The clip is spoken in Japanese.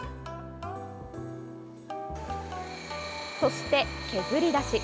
そして、削り出し。